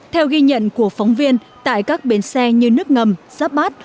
theo ghi nhận của phóng viên tại các bên xe như nước ngầm giáp bát